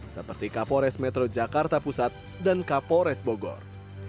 seperti kapolres metro jakarta pusat dan kapolres bogor